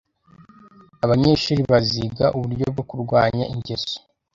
abanyeshuri baziga uburyo bwo kurwanya ingeso